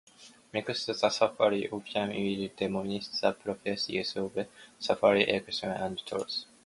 Next, the safety officer will demonstrate the proper use of safety equipment and tools.